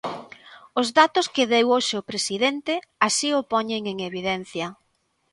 Os datos que deu hoxe o presidente así o poñen en evidencia.